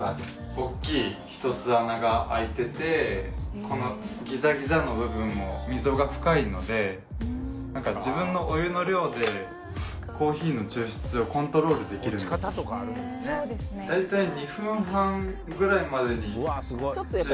おっきい一つ穴が開いててこのギザギザの部分も溝が深いので何か自分のお湯の量でコーヒーの抽出をコントロールできる大体うんはいお待たせしました